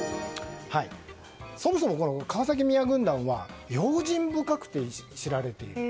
そもそも、川崎宮軍団は用心深くて知られている。